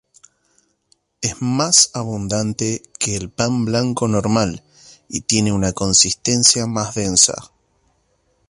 Es más abundante que el pan blanco normal, y tiene una consistencia más densa.